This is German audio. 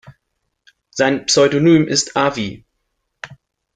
Sein Pseudonym ist Avi.